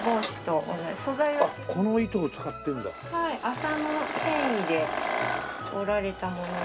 麻の繊維で織られたもので。